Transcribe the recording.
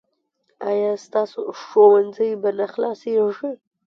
ایا ستاسو ښوونځی به نه خلاصیږي؟